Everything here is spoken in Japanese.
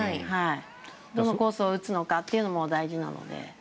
どのコースを打つのかというのも大事なので。